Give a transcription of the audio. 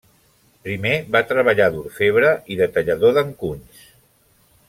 Primer va treballar d'orfebre i de tallador d'encunys.